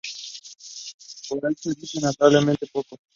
Pero esto dice notablemente poco.